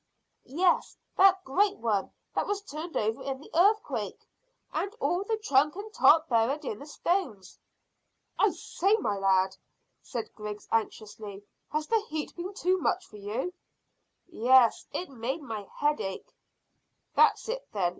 "Yes, that great one that was turned over in the earthquake, and all of the trunk and top buried in the stones." "I say, my lad," said Griggs anxiously, "has the heat been too much for you?" "Yes, it made my head ache." "That's it, then.